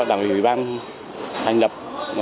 đảng ủy ban thành lập